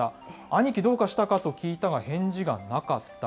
兄貴、どうかしたかと聞いたが返事がなかった。